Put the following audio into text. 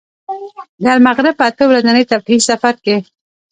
د المغرب په اته ورځني تفریحي سفر کې.